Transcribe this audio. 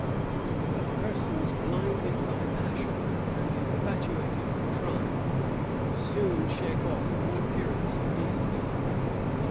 But persons blinded by passion, and infatuated with crime, soon shake off all appearance of decency.